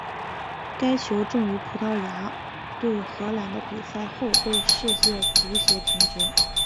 该球证于葡萄牙对荷兰的比赛后被世界足协停职。